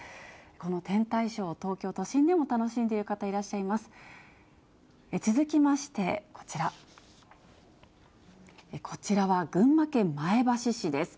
この天体ショー、東京都心でも楽しんでいる方、いらっしゃいます。